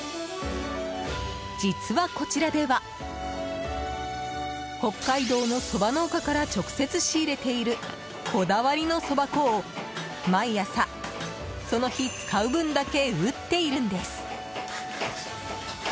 実は、こちらでは北海道のそば農家から直接仕入れているこだわりのそば粉を毎朝、その日使う分だけ打っているんです。